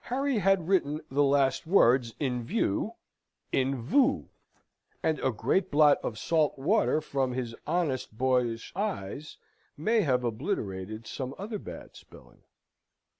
Harry had written the last words "in view," in vew, and a great blot of salt water from his honest, boyish eyes may have obliterated some other bad spelling.